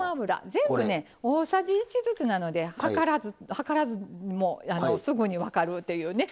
全部ね大さじ１ずつなので量らずもうすぐに分かるっていうね。